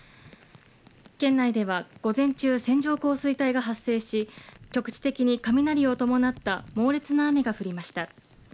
県内では午前中、線状降水帯が発生し、局地的に雷を伴った猛烈な雨が降りました。